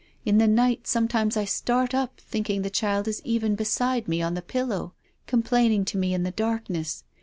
In the night sometimes I start up thinking the child is even beside me on the pillow, complaining to me in the darkness.